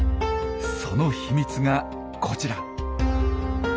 その秘密がこちら。